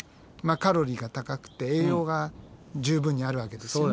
カロリーが高くて栄養が十分にあるわけですよね。